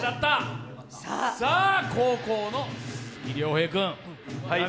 さあ、後攻の鈴木亮平君。